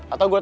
atau gue tau